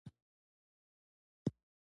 د خوست او فرنګ دره غرنۍ ده